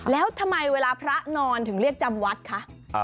แล้วทำไมเวลาพระนอนถึงเรียกจำวัดคะ